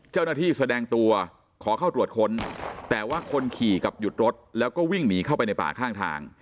แสดงตัวขอเข้าตรวจค้นแต่ว่าคนขี่กับหยุดรถแล้วก็วิ่งหนีเข้าไปในป่าข้างทาง